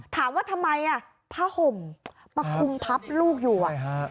ถามว่าทำไมอ่ะผ้าห่มมาคุมทับลูกอยู่อ่ะใช่ฮะ